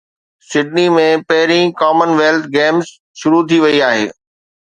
Sydney ۾ پهرين commonwealth games شروع ٿي وئي آهي